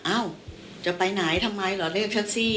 เอ้าจะไปไหนทำไมเหรอเรียกแท็กซี่